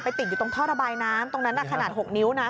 ติดอยู่ตรงท่อระบายน้ำตรงนั้นขนาด๖นิ้วนะ